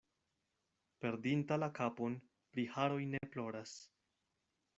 Perdinta la kapon pri haroj ne ploras.